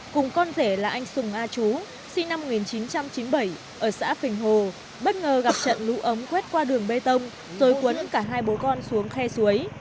cùng con rể là anh sùng a chú sinh năm một nghìn chín trăm chín mươi bảy ở xã phình hồ bất ngờ gặp trận lũ ống quét qua đường bê tông rồi cuốn cả hai bố con xuống khe suối